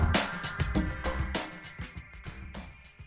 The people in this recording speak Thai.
โปรดติดตามตอนต่อไป